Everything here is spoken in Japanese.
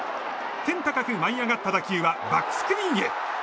天高く舞い上がった打球はバックスクリーンへ。